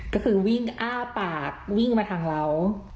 ก็คือวิ่งอ้าปากวิ่งมาทางเรา